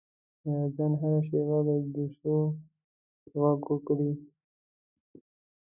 ایاز جان هره شیبه د جوسو غږ وکړي.